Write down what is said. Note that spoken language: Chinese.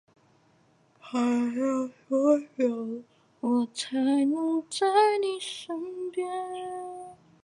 清朝康熙帝曾为该庙亲自赐名。